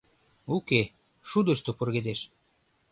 Уке, шудышто пургедеш.